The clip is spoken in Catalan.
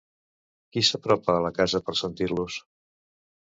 Qui s'apropa a la casa per sentir-los?